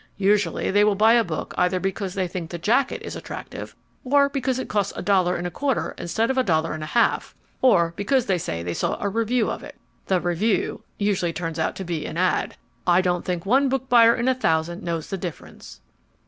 Usually they will buy a book either because they think the jacket is attractive, or because it costs a dollar and a quarter instead of a dollar and a half, or because they say they saw a review of it. The "review" usually turns out to be an ad. I don't think one book buyer in a thousand knows the difference.